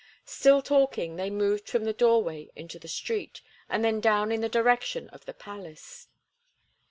Still talking, they moved from the doorway into the street, and then down in the direction of the palace.